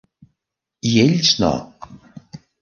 i ells no.